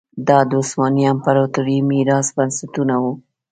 دا د عثماني امپراتورۍ میراثي بنسټونه وو.